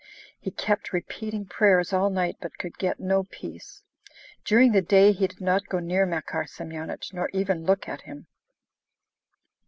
He kept repeating prayers all night, but could get no peace. During the day he did not go near Makar Semyonich, nor even look at him.